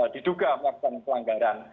diduga melakukan pelanggaran